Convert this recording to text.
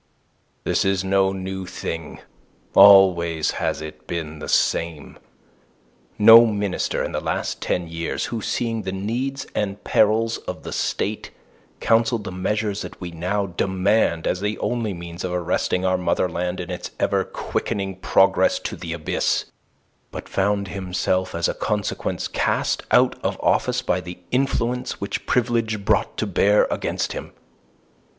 "This is no new thing. Always has it been the same. No minister in the last ten years, who, seeing the needs and perils of the State, counselled the measures that we now demand as the only means of arresting our motherland in its ever quickening progress to the abyss, but found himself as a consequence cast out of office by the influence which Privilege brought to bear against him.